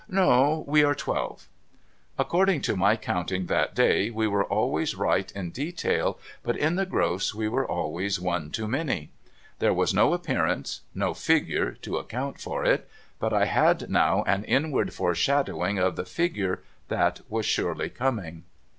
No. We are twelve.' According to my counting that day, we were always right in detail, but in the gross we were always one too many. There was no appearance — no figure — to account for it ; but I had now an inward foreshadowing of the figure that was surely coming.